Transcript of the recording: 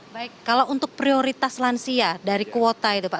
baik kalau untuk prioritas lansia dari kuota itu pak